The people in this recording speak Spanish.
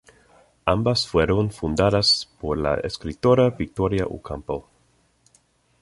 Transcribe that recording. Ambas fueron fundadas por la escritora Victoria Ocampo.